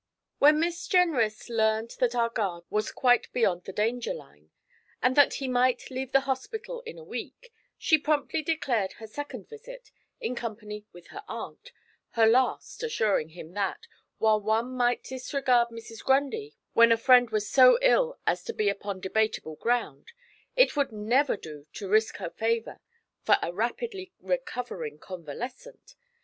When Miss Jenrys learned that our guard was quite beyond the danger line, and that he might leave the hospital in a week, she promptly declared her second visit, in company with her aunt, her last, assuring him that, while one might disregard Mrs. Grundy when a friend was so ill as to be upon debatable ground, it would never do to risk her favour for a rapidly recovering convalescent.